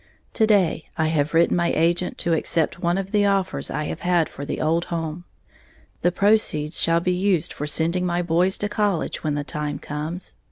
To day I have written my agent to accept one of the offers I have had for the old home, the proceeds shall be used for sending my boys to college when the time comes.